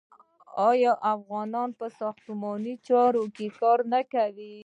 آیا افغانان په ساختماني چارو کې کار نه کوي؟